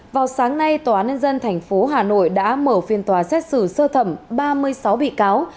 vào sáng nay tòa án nhân dân tp hà nội đã mở phiên tòa xét xử sơ thẩm ba mươi sáu bị cáo